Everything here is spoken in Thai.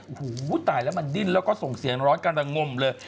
โอ้โหตายแล้วมันดิ้นแล้วก็ส่งเสียงร้อนกันระงมเลย